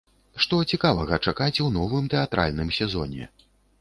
Што цікавага чакаць у новым тэатральным сезоне?